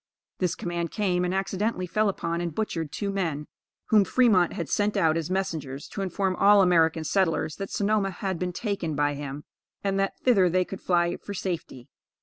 This command came, and accidentally fell upon and butchered two men whom Fremont had sent out as messengers to inform all American settlers that Sonoma had been taken by him, and that thither they could fly for safety.